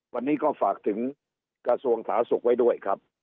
วันนี้ก็ฝากถึงกระทรวงสาธารณสุขไว้ด้วยครับ